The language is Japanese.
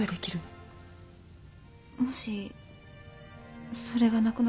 もしそれがなくなったら？